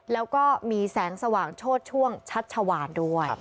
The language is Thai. แล้วก็มีแสงสว่างโชดช่วงชัชวานด้วย